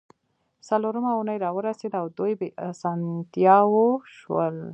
څلورمه اونۍ راورسیده او دوی بې اسانتیاوو شول